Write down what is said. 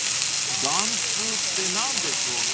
［緞通って何でしょうね］